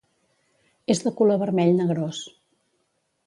És de color vermell negrós.